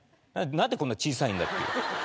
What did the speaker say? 何でこんな小さいんだっていう。